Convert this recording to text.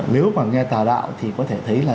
nếu mà nghe tà đạo thì có thể thấy là